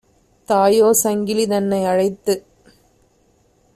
தாயோ சங்கிலி தன்னை அழைத்து